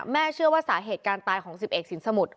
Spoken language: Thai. เชื่อว่าสาเหตุการตายของ๑๑สินสมุทร